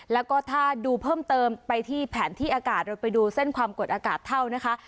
แล้วก็ถ้าดูเพิ่มเติมไปที่แผนที่อากาศเราไปดูเส้นความกดอากาศเท่านะคะ